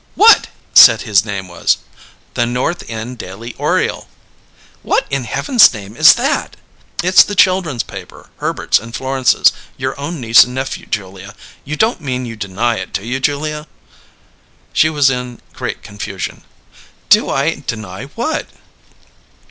"What said his name was?" "The North End Daily Oriole!" "What in heaven's name is that?" "It's the children's paper, Herbert's and Florence's: your own niece and nephew, Julia! You don't mean you deny it, do you, Julia?" She was in great confusion: "Do I deny what?"